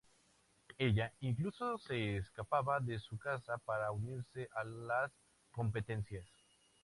Ella incluso se escapaba de su casa para unirse a las competencias.